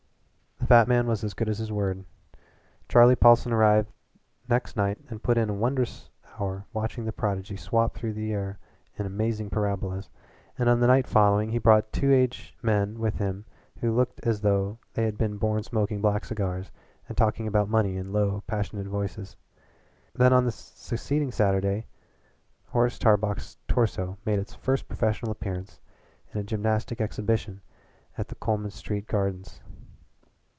The fat man was as good as his word. Charlie Paulson arrived next night and put in a wondrous hour watching the prodigy swap through the air in amazing parabolas, and on the night following he brought two age men with him who looked as though they had been born smoking black cigars and talking about money in low, passionate voices. Then on the succeeding Saturday Horace Tarbox's torso made its first professional appearance in a gymnastic exhibition at the Coleman Street Gardens.